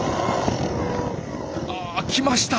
あ来ました！